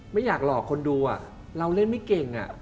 ไม่อยากหลอกคนดูเราเล่นไม่เก่ง